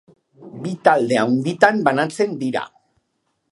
Bi talde handitan banatzen dira.